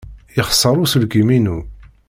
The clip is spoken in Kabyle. Yexṣer uselkim-inu.